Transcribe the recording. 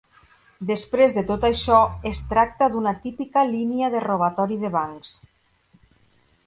Després de tot això es tracta d'una típica línia de robatori de bancs.